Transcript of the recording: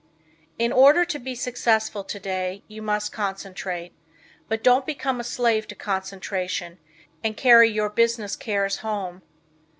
In order to be successful today, you must concentrate, but don't become a slave to concentration, and carry your business cares home.